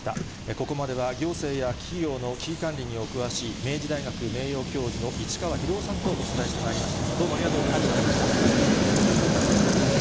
ここまでは、行政や企業の危機管理にお詳しい、明治大学名誉教授の市川宏雄さんとお伝えしてまいりました。